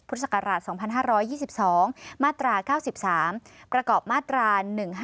ศักราช๒๕๒๒มาตรา๙๓ประกอบมาตรา๑๕